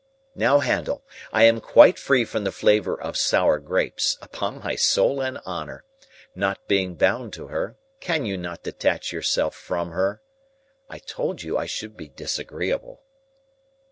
"Now, Handel, I am quite free from the flavour of sour grapes, upon my soul and honour! Not being bound to her, can you not detach yourself from her?—I told you I should be disagreeable."